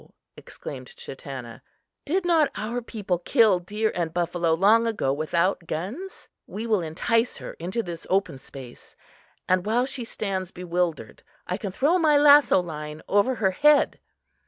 exclaimed Chatanna. "Did not our people kill deer and buffalo long ago without guns? We will entice her into this open space, and, while she stands bewildered, I can throw my lasso line over her head."